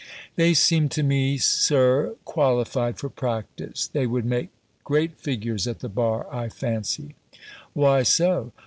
"They seem to me. Sir, qualified for practice: they would make great figures at the bar, I fancy." "Why so?"